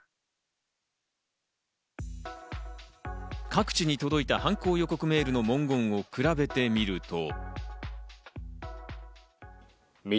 各地に届いた犯行予告メールの文言を比べてみると。